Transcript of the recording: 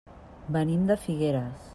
Venim de Figueres.